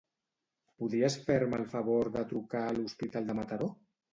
Podries fer-me el favor de trucar a l'Hospital de Mataró?